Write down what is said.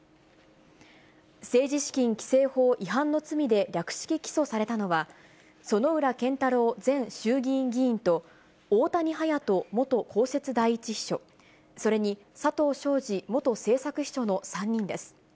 政治資金規正法違反の罪で略式起訴されたのは、薗浦健太郎前衆議院議員と、大谷勇人元公設第一秘書、それに佐藤しょうじ元政策秘書の３人です。